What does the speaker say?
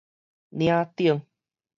嶺頂